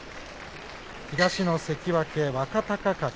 東の関脇若隆景。